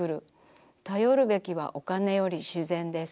たよるべきはお金より自然です。